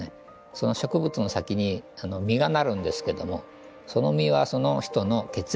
その植物の先に実がなるんですけどもその実はその人の血液が詰まっている。